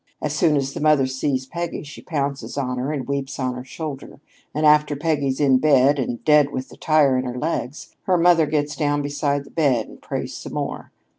As soon as the mother sees Peggy, she pounces on her and weeps on her shoulder, and after Peggy's in bed and dead with the tire in her legs, her mother gets down beside the bed and prays some more.